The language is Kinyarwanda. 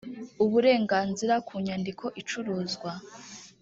uburenganzira ku nyandiko icuruzwa